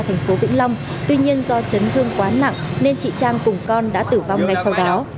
thành phố vĩnh long tuy nhiên do chấn thương quá nặng nên chị trang cùng con đã tử vong ngay sau đó